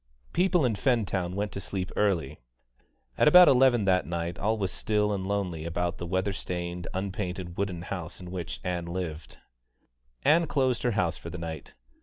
People in Fentown went to sleep early. At about eleven that night all was still and lonely about the weather stained, unpainted wooden house in which Ann lived. Ann closed her house for the night.